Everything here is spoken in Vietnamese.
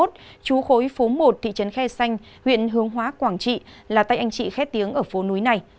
chú khối phố một thị trấn khe xanh huyện hướng hóa quảng trị là tay anh chị khét tiếng ở phố núi này